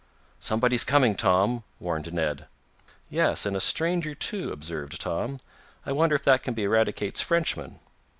"Somebody's coming, Tom," warned Ned. "Yes, and a stranger, too," observed Tom. "I wonder if that can be Eradicate's Frenchman?"